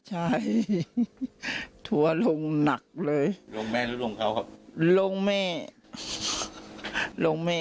ใช่ถั่วลงหนักเลยลงแม่หรือลงเขาครับลงแม่ลงแม่